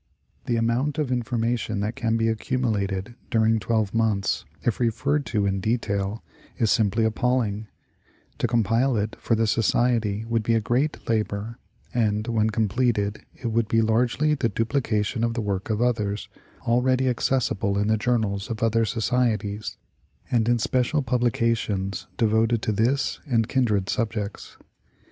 The amount of information that can be accumulated during twelve months, if referred to in detail, is simply appalling ; to compile it for the Society would be a great labor, and when completed it would be largely the dupli cation of the work of others, already accessible in the journals of other societies, and in special publications devoted to this and kin dred subjects.